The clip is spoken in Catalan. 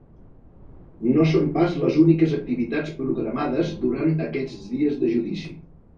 No són pas les úniques activitats programades durant aquests dies de judici.